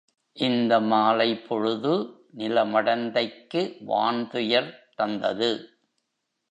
இந்த மாலைப்பொழுது நில மடந்தைக்கு வான்துயர் தந்தது.